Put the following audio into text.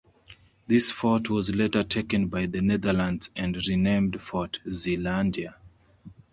This fort was later taken by the Netherlands and renamed Fort Zeelandia.